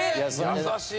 優しい。